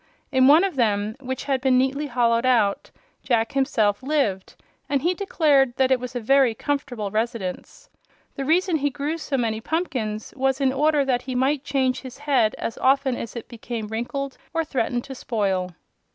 In one of them, which had been neatly hollowed out, Jack himself lived, and he declared that it was a very comfortable residence. The reason he grew so many pumpkins was in order that he might change his head as often as it became wrinkled or threatened to spoil.